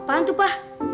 apaan tuh pa